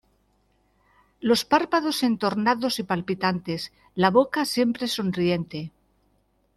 los párpados entornados y palpitantes, la boca siempre sonriente